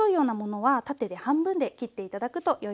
はい。